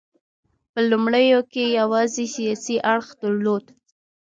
په لومړیو کې یوازې سیاسي اړخ درلود